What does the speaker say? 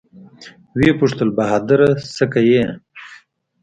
ويې پوښتل بهادره سه کې.